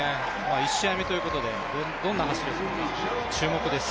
１試合目ということでどんな走りをするのか注目です。